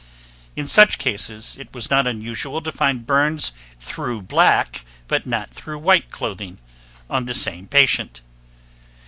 In such cases, it was not unusual to find burns through black but not through white clothing, on the same patient.